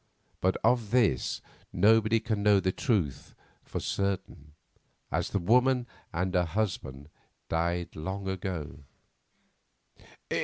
But of this nobody can know the truth for certain, as the woman and her husband died long ago."